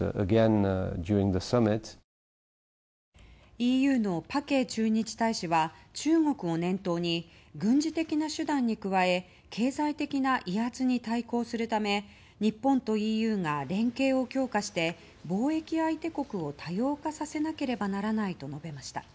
ＥＵのパケ駐日大使は中国を念頭に軍事的な手段に加え経済的な威圧に対抗するため日本とＥＵが連携を強化して貿易相手国を多様化させなければならないと述べました。